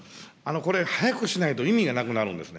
これ、早くしないと意味がなくなるんですね。